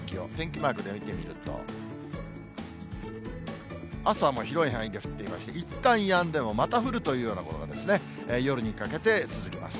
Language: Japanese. マークで見てみると、朝は広い範囲で降っていまして、いったんやんでもまた広い範囲で降るというような所が、夜にかけて続きます。